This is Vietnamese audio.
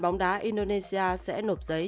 bóng đá indonesia sẽ nộp giấy